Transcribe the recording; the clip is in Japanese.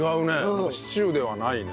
なんかシチューではないね。